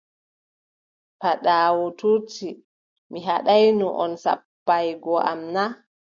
Paaɗaawu toonti: mi haɗaayno on sappaagoy am na?